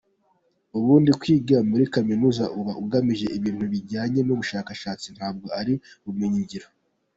Ubundi kwiga muri kaminuza uba ugamije ibintu bijyanye n’ubushakashatsi ntabwo ari ubumenyingiro.